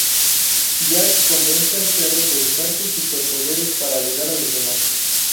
Jack convence al perro de usar sus superpoderes para ayudar a los demás.